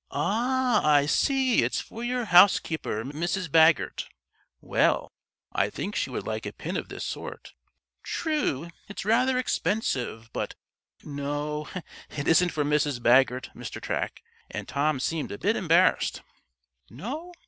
"Ah, I see. It's for your housekeeper, Mrs. Baggert. Well, I think she would like a pin of this sort. True, it's rather expensive, but " "No, it isn't for Mrs. Baggert, Mr. Track," and Tom seemed a bit embarrassed. "No?